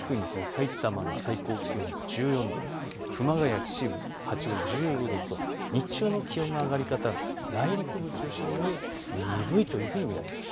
さいたまも最高気温１４度、熊谷、秩父、八王子１５度と日中の気温の上がり方内陸部中心に鈍いというふうに見られます。